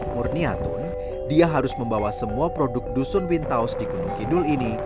murniatun dia harus membawa semua produk dusun wintaus di gunung kidul ini